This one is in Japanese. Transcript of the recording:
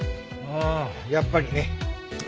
ああやっぱりね。